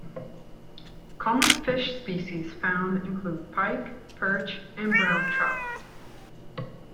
Common fish species found include pike, perch and brown trout.